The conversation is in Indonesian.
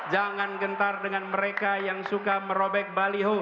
jangan gentar dengan mereka yang suka merobek baliho